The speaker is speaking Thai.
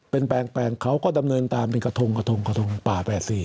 เป็นแปงเขาก็ดำเนินตามเป็นกะทงป่า๘๔